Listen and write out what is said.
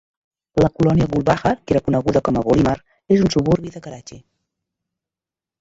La colònia Gulbahar, que era coneguda com a Golimar, és un suburbi de Karachi.